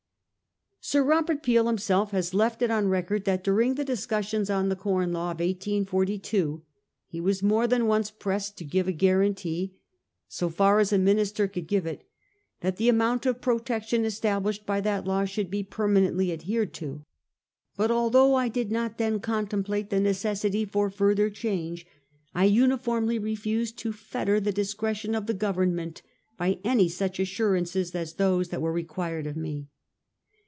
Sir Robert Peel himself has left it on record that during the discussions on the Com Law of 1842 he was more than once pressed to give a guarantee, ' so far as a minister could give it,' that the amount of protection established by that law should be permanently adhered to ;' but although I did not then contemplate the necessity for further change, I uniformly refused to fetter the discretion of the Government by any such assurances as those that were required of me.